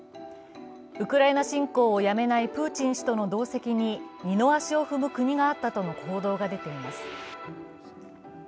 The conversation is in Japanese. ウクライナ侵攻をやめないプーチン氏との同席に二の足を踏む国があったとの報道が出ています